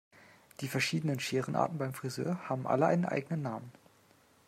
Die verschiedenen Scherenarten beim Frisör haben alle einen eigenen Namen.